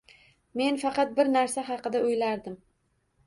Men faqat bir narsa haqida o`ylardim